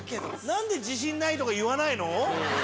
何で自信ないとか言わないの？